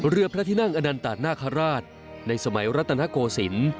เรือพระที่นั่งอนันตานาคาราชในสมัยรัตนโกศิลป์